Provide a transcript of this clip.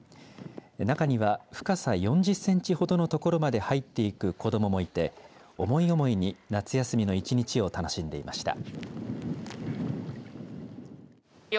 中には、深さ４０センチほどの所まで入っていく子どももいて、思い思いに夏休みの１日を楽しんでいました。